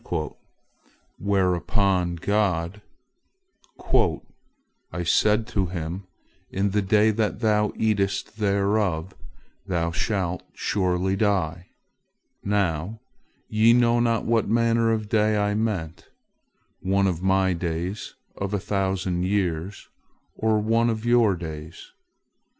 Whereupon God: "I said to him, 'In the day that thou eatest thereof, thou shalt surely die!' Now, ye know not what manner of day I meant—one of My days of a thousand years, or one of your days.